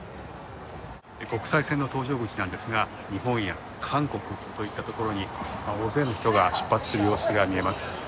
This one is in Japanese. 国際線の搭乗口なんですが日本や韓国といったところに大勢の人が出発する様子が見られます。